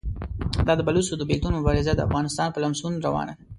دا د بلوڅو د بېلتون مبارزه د افغانستان په لمسون روانه ده.